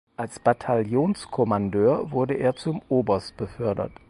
Als Bataillonskommandeur wurde er zum Oberst befördert.